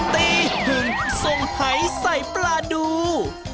ตีหึงส่งหายใส่ปลาดู